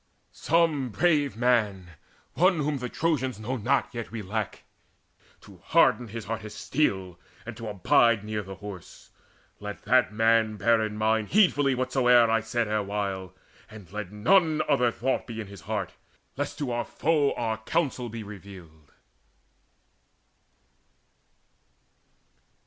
Some brave man, One whom the Trojans know not, yet we lack, To harden his heart as steel, and to abide Near by the Horse. Let that man bear in mind Heedfully whatsoe'er I said erewhile. And let none other thought be in his heart, Lest to the foe our counsel be revealed."